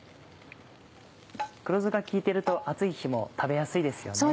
黒酢が効いていると暑い日も食べやすいですよね。